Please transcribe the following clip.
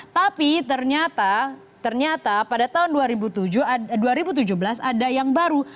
tapi ternyata ternyata pada tahun dua ribu tujuh belas ada yang baru